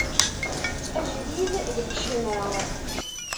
Ajdid deg ccna.